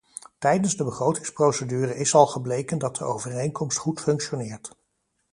Tijdens de begrotingsprocedure is al gebleken dat de overeenkomst goed functioneert.